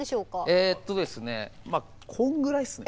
えっとですねまあこんぐらいっすね。